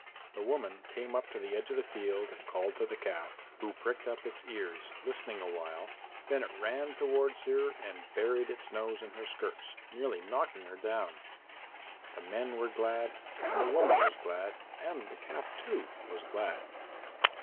The woman came up to the edge of the field and called to the calf, who pricked up its ears, listening awhile, then it ran towards her and buried its nose in her skirts, nearly knocking her down. The men were glad, and the woman was glad, and the calf, too, was glad.